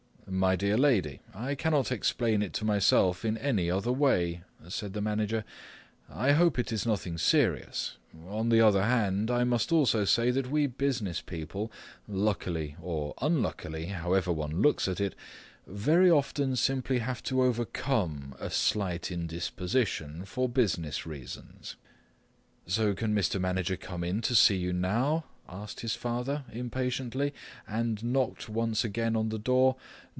"My dear lady, I cannot explain it to myself in any other way," said the manager; "I hope it is nothing serious. On the other hand, I must also say that we business people, luckily or unluckily, however one looks at it, very often simply have to overcome a slight indisposition for business reasons." "So can Mr. Manager come in to see you now?" asked his father impatiently and knocked once again on the door.